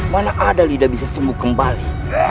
mana ada lidah bisa sembuh kembali